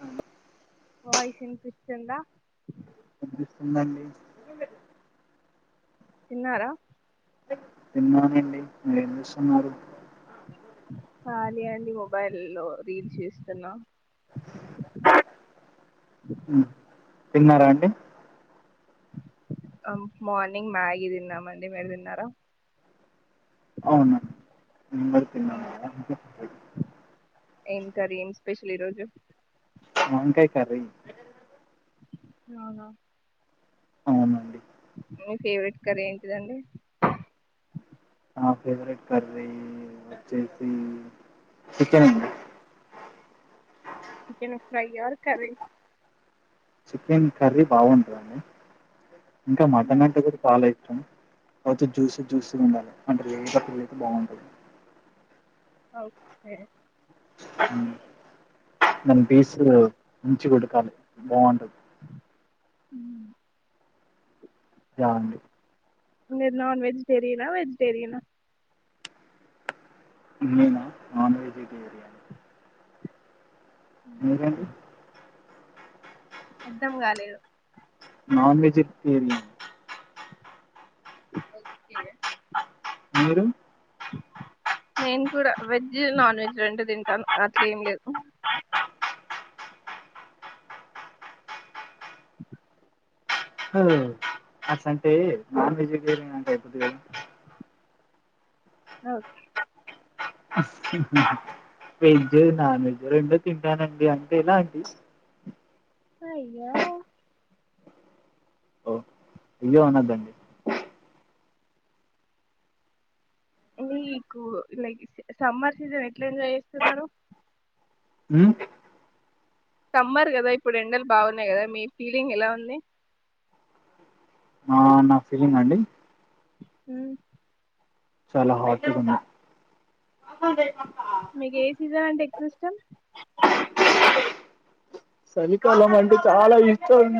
అవు వాయిస్ వినిపిస్తుందా? వినిపిస్తుందండి. తిన్నారా? తిన్నానండి ఏం చేస్సున్నారు? కాలీ అండి మొబైల్ లో రీల్స్ చేస్తున్నా ఉ తిన్నారా అండి? మార్నింగ్ మ్యాగీ తిన్నామండి మీరు తిన్నారా? అవునా ఇం అవునా ఏం కర్రీ ఏం స్పెషల్ ఈరోజు? వంకాయ్ కర్రీ అవునా? అవునండి. మీ ఫేవరెట్ కర్రీ ఏంటిదండి? నా ఫేవరెట్ కర్రీ వచ్చేసి చికెన్ అండి chicken fry, or curry chicken curry బాగుంటదండి ఇంకా మటన్ అంటే కూడా చాలా ఇష్టం. అవుతే జ్యూస్ జ్యూసీ గా ఉండాలి అంటే లేత పిల్లైతే బాగుంటది ఓక్కే ఉమ్ ఆ దాని పీసులు మంచిగా ఉడకాలే బాగుంటది ఉమ్ జా అండి మీరు నాన్ వెజిటేరియనా వెజిటేరియనా? నేనా నాన్ వెజిటేరియన్ మీరండి అర్ధం కాలేదు నాన్ వెెజ్ టేరియన్ ఓక్కే మీరు? నేను కూడా వెజ్, నాన్ వెజ్ రెండు తింటాను అట్లేం లేదు. అఓ ఒ అస అంటే నాన్ వెజిటేరియన్ అంటే అయిపోద్ది కదా? అవ్ అ వెజ్ నాన్ వెజ్ రెండు తింటానండి అంటే ఎలా అండి అయ్యో ఓ అయ్యో అనదండి మీకు లైక్ సమ్మర్ సీజన్ ఎట్లా ఎంజాయ్ చేస్తున్నారు ఉ సమ్మర్ కదా ఇప్పుడు ఎండలు బాగున్నాయి కదా మీ ఫీలింగ్ ఎలా ఉంది ఆ నా ఫీలింగ్ ఆ అండి ఊ చాల హాట్ వుంది మీకు ఏ సీజన్ అంటే ఎక్కువ ఇష్టం చలికాలం అంటే చాలా ఇష్టం.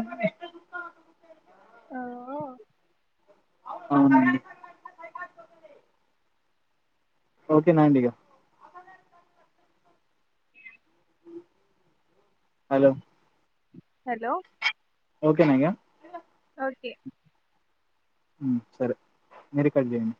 అవునా ఓకే నాండి ఇగ హలో హలో ఓకే నా ఇగ ఒకే ఉ సరే మీరే కట్ చేయండి